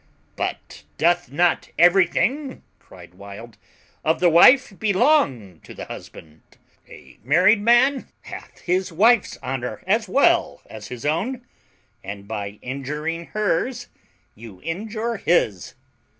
"But doth not everything," cried Wild, "of the wife belong to the husband? A married man, therefore, hath his wife's honour as well as his own, and by injuring hers you injure his.